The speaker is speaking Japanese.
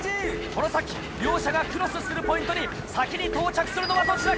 この先両者がクロスするポイントに先に到着するのはどちらか？